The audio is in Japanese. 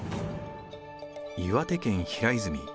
岩手県平泉。